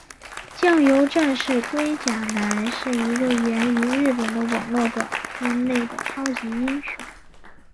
酱油战士龟甲男是一个源于日本的网络短片内的超级英雄。